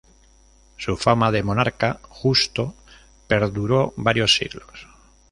Su fama de monarca justo perduró varios siglos.